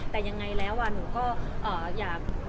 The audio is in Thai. แต่ยังไงแล้วอ่ะหนูขอ